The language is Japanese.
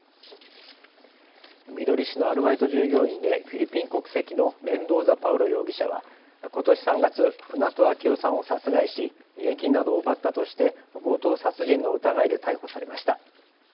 みどり市のアルバイト従業員でフィリピン国籍のメンドーザ・パウロ容疑者はことし３月、船戸秋雄さんを殺害し現金などを奪ったとして強盗殺人の疑いで逮捕されました。